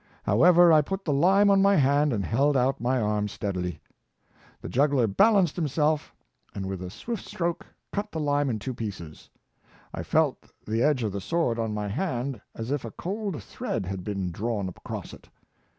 However, I put the lime on my hand, and held out my arm steadily. The jug gler balanced himself, and, with a swift stroke, cut the lime in two pieces. I felt the edge of the sword on my hand as if a cold thread had been drawn across it.